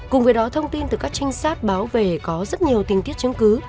cùng với đó thông tin từ các trinh sát bảo vệ có rất nhiều tinh tiết chứng cứ